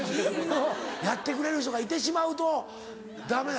やってくれる人がいてしまうとダメだ。